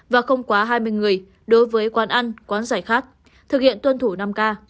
và không quá hai mươi người đối với quán ăn quán giải khát thực hiện tuân thủ năm k